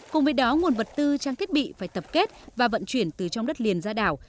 cùng với đó nguồn vật tư trang thiết bị phải tập kết và vận chuyển từ trong đất liền ra đảo